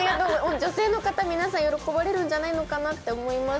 女性の方皆さん喜ばれるんじゃないかと思います。